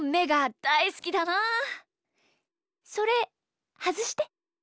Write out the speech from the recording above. それはずして。